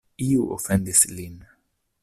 Iu ofendis lin.